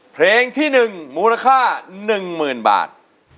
เพลงที่๑มูลค่า๑๐๐๐บาท